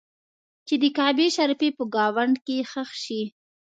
چې د کعبې شریفې په ګاونډ کې ښخ شي.